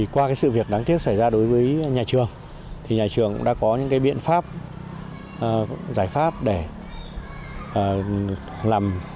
qua sự việc đáng tiếc xảy ra đối với nhà trường nhà trường đã có những biện pháp giải pháp để làm giải